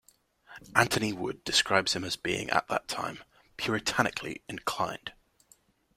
Anthony Wood describes him as being at that time "puritanically enclin'd".